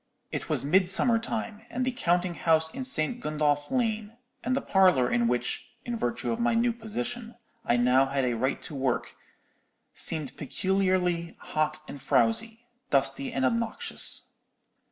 It was midsummer time, and the counting house in St. Gundolph Lane, and the parlour in which—in virtue of my new position—I had now a right to work, seemed peculiarly hot and frowsy, dusty and obnoxious.